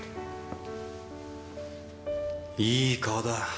いい顔だ。